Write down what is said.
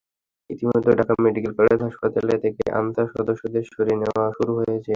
ইতিমধ্যে Dhaka medical college হাসপাতাল থেকে আনসার সদস্যদের সরিয়ে নেওয়া শুরু হয়েছে।